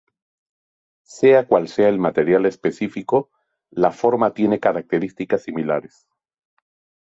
Sea cual sea el material específico, la forma tiene características similares.